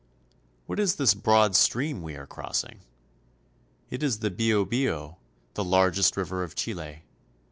What is this broad stream we are crossing? It is the Biobio (be o be^o), the largest river of Chile.